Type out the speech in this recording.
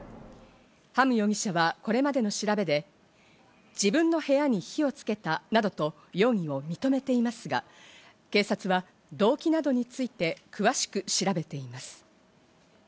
ハム容疑者はこれまでの調べで、自分の部屋に火をつけたなどと容疑を認めていますが、警察は動機などについて詳しく調べています。